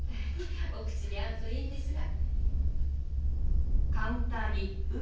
お口に合うといいんですが。